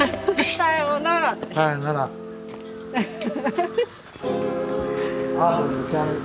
さようならって。